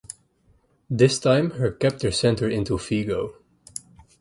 This time her captor sent her into Vigo.